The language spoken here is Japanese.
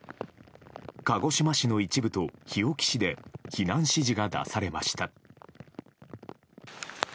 鹿児島市の一部と日置市で避難指示が出されました。